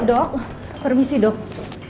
dok permisi dok